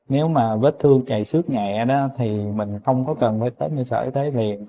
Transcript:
nếu mà vết thương chảy xước nhẹ đó thì mình không có cần phải tới sở y tế gì